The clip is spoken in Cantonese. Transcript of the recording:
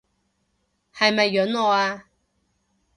係咪潤我啊？